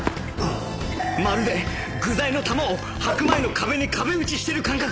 まるで具材の球を白米の壁に壁打ちしてる感覚